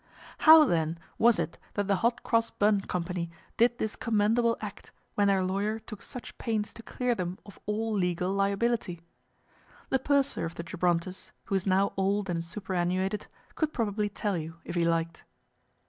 How, then, was it that the Hot Cross Bun Company did this commendable act when their lawyer took such pains to clear them of all legal liability? The purser of the Gibrontus, who is now old and superannuated, could probably tell you if he liked.